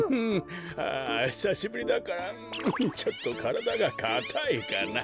あひさしぶりだからんちょっとからだがかたいかな。